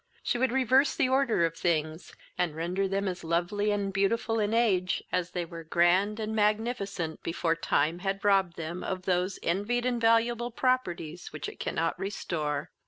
She would reverse the order of things, and render them as lovely and beautiful in age, as they were grand and magnificent before time had robbed them of those envied and valuable properties which it cannot restore.